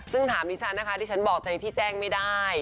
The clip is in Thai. ซึ่งถามนิชานะคะที่ฉันบอกในที่แจ้งไม่ได้